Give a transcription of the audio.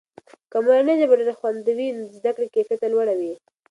که مورنۍ ژبه ډېره خوندي وي، نو د زده کړې کیفیته لوړه وي.